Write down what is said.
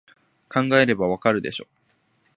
考えればわかるでしょ